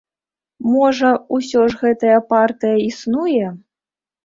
Можа, усё ж гэтая партыя існуе?